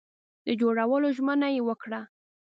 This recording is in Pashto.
د جوړولو ژمنه یې وکړه.